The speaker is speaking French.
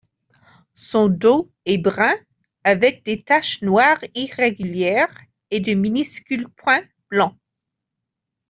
Son dos est brun avec des taches noires irrégulières et de minuscules points blancs.